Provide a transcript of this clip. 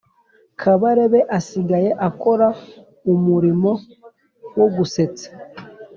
Kabarebe asigaye akora umulimo wo gusetsa.